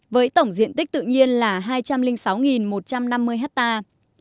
với tổng diện tích tự nhiên là hai trăm linh sáu một trăm năm mươi hectare